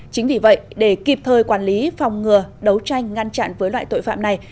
chính vì vậy để kịp thời quản lý phòng ngừa đấu tranh ngăn chặn với loại tội phạm này